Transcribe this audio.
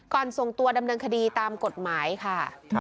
ส่งตัวดำเนินคดีตามกฎหมายค่ะ